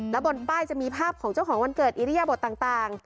และบนป้ายจะมีภาพของเจ้าของวันเกิดอิริยบทต่าง